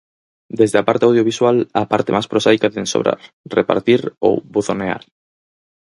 Desde a parte audiovisual á parte máis prosaica de ensobrar, repartir ou 'buzonear'.